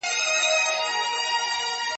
که ماشوم تجربه وکړي دا تعليم دی.